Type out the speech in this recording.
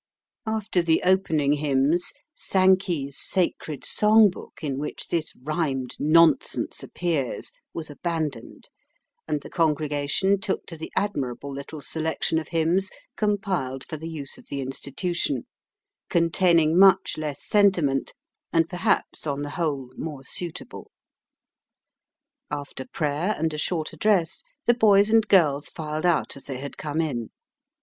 After the opening hymns Sankey's Sacred Song Book, in which this rhymed nonsense appears, was abandoned, and the congregation took to the admirable little selection of hymns compiled for the use of the institution, containing much less sentiment, and perhaps on the whole more suitable. After prayer and a short address, the boys and girls filed out as they had come in.